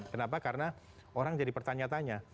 kenapa karena orang jadi pertanya tanya